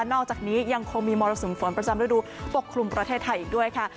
อกจากนี้ยังคงมีมรสุมฝนประจำฤดูปกคลุมประเทศไทยอีกด้วยค่ะ